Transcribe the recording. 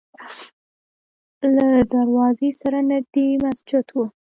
له دروازې سره نږدې یې مسجد و.